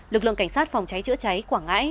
lực lượng cảnh sát phòng cháy chữa cháy quảng ngãi